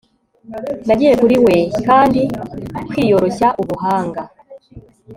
Nagiye kuri we kandi kwiyoroshya ubuhanga